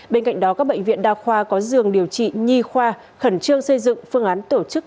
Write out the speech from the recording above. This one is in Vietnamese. bên cạnh đó các bệnh viện đa khoa có giường điều trị nhi khoa khẩn trương xây dựng phương án tổ chức